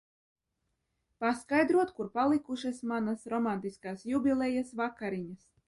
Paskaidrot, kur palikušas manas romantiskās jubilejas vakariņas?